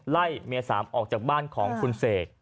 ไล่เมียสามออกจากบ้านของคุณเสก